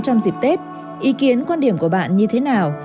trong dịp tết ý kiến quan điểm của bạn như thế nào